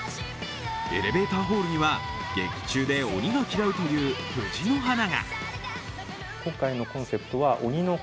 エレベーターホールには劇中で鬼が嫌うという藤の花が。